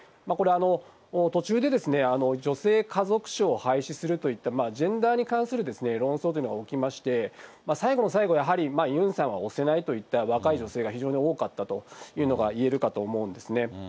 これ、途中で、女性家族省を廃止するといった、ジェンダーに関する論争というのが起きまして、最後の最後でやはりユンさんはおせないといった若い女性が非常に多かったというのがいえるかと思うんですね。